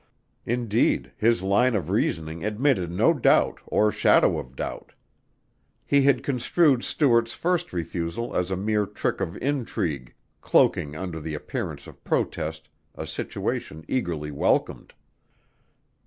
Indeed, his line of reasoning admitted no doubt or shadow of doubt. He had construed Stuart's first refusal as a mere trick of intrigue, cloaking under the appearance of protest a situation eagerly welcomed.